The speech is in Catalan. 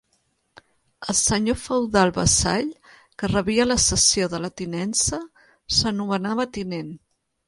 El senyor feudal vassall que rebia la cessió de la tinença s'anomenava tinent.